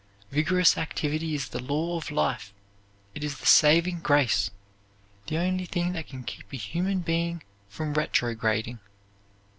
Vigorous activity is the law of life; it is the saving grace, the only thing that can keep a human being from retrograding.